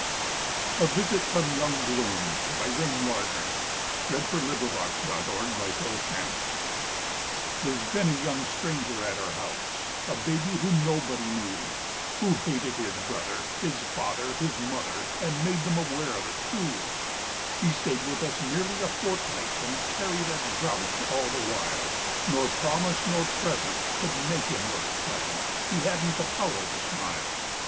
he floor is the Reason Why. A VISIT FROM YOUNG GLOOM There's been a young stranger at our house, A baby whom nobody knew; Who hated his brother, his father, his mother, And made them aware of it, too. He stayed with us nearly a fortnight And carried a grouch all the while, Nor promise nor present could make him look pleasant; He hadn't the power to smile.